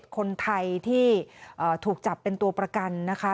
คนไทยที่ถูกจับเป็นตัวประกันนะคะ